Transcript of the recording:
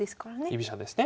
居飛車ですね。